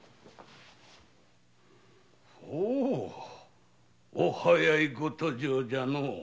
ほうお早いご登城じゃのう。